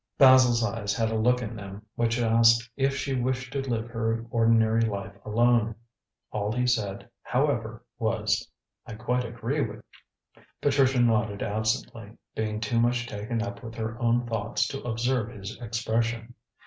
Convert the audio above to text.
Basil's eyes had a look in them which asked if she wished to live her ordinary life alone. All he said, however, was: "I quite agree with you." Patricia nodded absently, being too much taken up with her own thoughts to observe his expression.